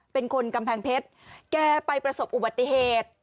เป็นคนกำแพงเพชรแกไปประสบอุบัติเหตุ